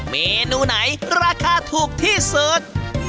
เมนูไหนราคาถูกที่สุด